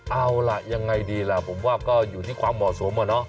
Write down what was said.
เอาล่ะยังไงดีล่ะผมว่าก็อยู่ที่ความเหมาะสมอะเนาะ